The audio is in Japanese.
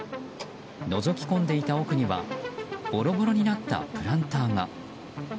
のぞき込んでいた奥にはボロボロになったプランターが。